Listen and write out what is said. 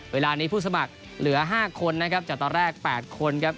เวลานี้ผู้สมัครเหลือ๕คนนะครับจากตอนแรก๘คนครับ